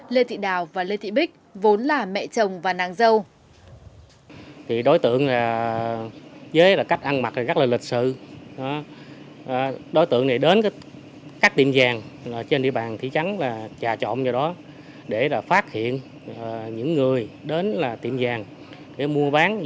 lê thị đào và lê thị bích vốn là mẹ chồng và nàng dâu